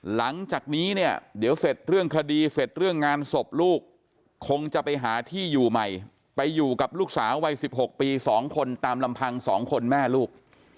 หลังจากนี้เนี่ยเดี๋ยวเสร็จเรื่องคดีเสร็จเรื่องงานศพลูกคงจะไปหาที่อยู่ใหม่ไปอยู่กับลูกสาววัย๑๖ปี๒คนตามลำพังสองคนแม่ลูก